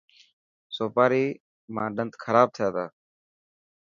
سوپاري مان ڏنت خراب ٿي تا.